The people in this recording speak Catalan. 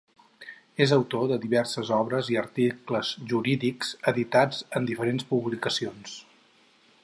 És autor de diverses obres i articles jurídics editats en diferents publicacions.